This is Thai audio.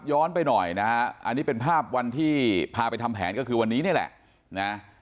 ไปหน่อยนะฮะอันนี้เป็นภาพวันที่พาไปทำแผนก็คือวันนี้นี่แหละนะ